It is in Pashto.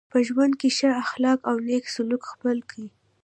په ژوند کي ښه اخلاق او نېک سلوک خپل کئ.